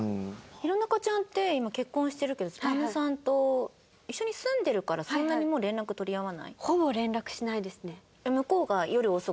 弘中ちゃんって今結婚してるけど旦那さんと一緒に住んでるからそんなにもう連絡取り合わない？